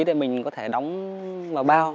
để mình có thể đóng vào bao